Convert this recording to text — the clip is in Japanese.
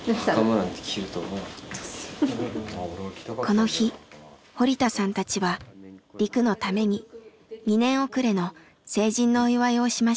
この日堀田さんたちはリクのために２年おくれの成人のお祝いをしました。